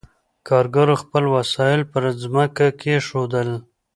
کارګرو خپل وسایل پر ځمکه کېښودل.